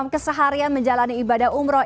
keseharian menjalani ibadah umroh